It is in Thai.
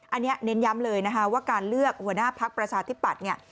อันนี้เน้นย้ำเลยนะคะว่าการเลือกหัวหน้าพักประชาธิปัตย์เนี่ย